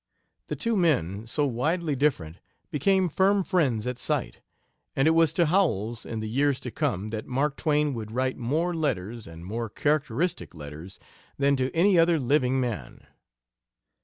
The two men, so widely different, became firm friends at sight, and it was to Howells in the years to come that Mark Twain would write more letters, and more characteristic letters, than to any other living man.